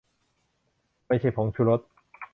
ไม่ใช่ผงชูรส